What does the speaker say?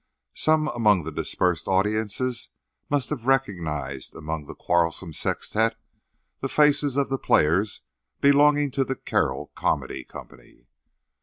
Some among the dispersed audiences must have recognized among the quarrelsome sextet the faces of the players belonging to the Carroll Comedy Company.